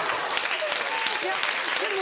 いやでも。